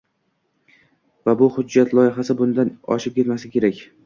Va bu hujjat loyihasi bundan oshib ketmasligi kerak